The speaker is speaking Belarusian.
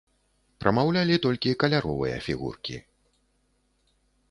Прамаўлялі толькі каляровыя фігуркі.